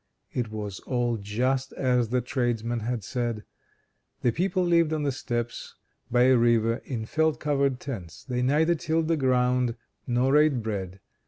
It was all just as the tradesman had said. The people lived on the steppes, by a river, in felt covered tents. They neither tilled the ground, nor ate bread.